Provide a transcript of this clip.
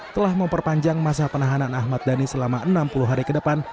telah memperpanjang masa penahanan ahmad dhani selama enam puluh hari ke depan